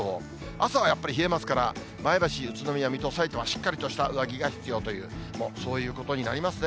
朝はやっぱり冷えますから、前橋、宇都宮、水戸、さいたまはしっかりとした上着が必要という、そういうことになりますね。